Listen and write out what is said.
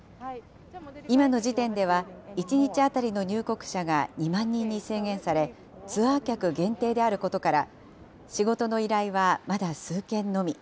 今の時点では、１日当たりの入国者が２万人に制限され、ツアー客限定であることから、仕事の依頼はまだ数件のみ。